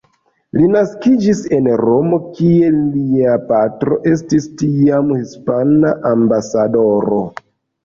Li naskiĝis en Romo, kie lia patro estis tiam hispana ambasadoro.